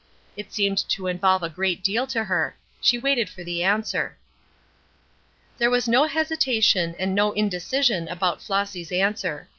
It seemed to involve a great deal to her. She waited for the answer. There was no hesitation and no indecision about Flossy's answer.